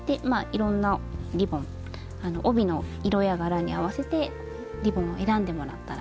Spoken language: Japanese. いろんなリボン帯の色や柄に合わせてリボンを選んでもらったらいいですね。